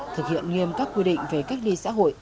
thực hiện nghiêm các quy định về cách ly xã hội